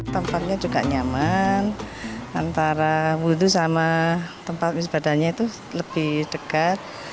tempatnya juga nyaman antara wudhu sama tempat ibadahnya itu lebih dekat